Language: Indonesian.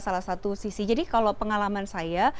salah satu sisi jadi kalau pengalaman saya